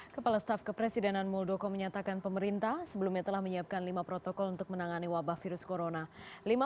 kepala staf kepresidenan muldoko menyatakan pemerintah sebelumnya telah menyiapkan lima protokol untuk menangani wabah virus corona